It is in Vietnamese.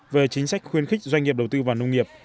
về chính sách khuyến khích doanh nghiệp đầu tư vào nông nghiệp